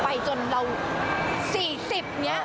ไปจนเรา๔๐นี้